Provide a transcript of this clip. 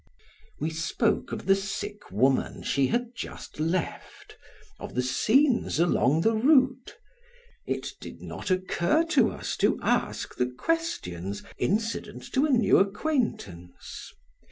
We spoke of the sick woman she had just left, of the scenes along the route; it did not occur to us to ask the questions incident to a new acquaintance.